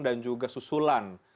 dan juga susulan